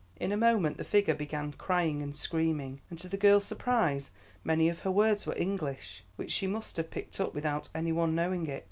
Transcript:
"In a moment the figure began crying and screaming, and to the girl's surprise many of her words were English, which she must have picked up without any one knowing it.